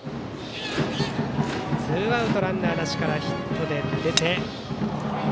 ツーアウト、ランナーなしからヒットで出て。